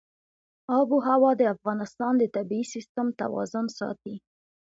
آب وهوا د افغانستان د طبعي سیسټم توازن ساتي.